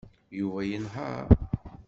Yuba yenheṛ.